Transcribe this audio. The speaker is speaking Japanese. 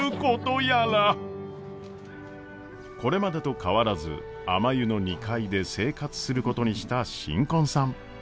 これまでと変わらずあまゆの２階で生活することにした新婚さん。